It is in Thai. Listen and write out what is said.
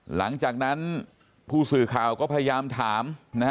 หลังจากนั้นผู้สื่อข่าวก็พยายามถาม